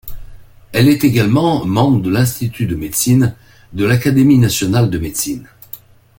Elle est également membre de l'Institut de médecine de l'Académie nationale de médecine.